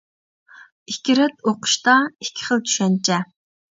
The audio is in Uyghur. ئىككى رەت ئوقۇشتا ئىككى خىل چۈشەنچە.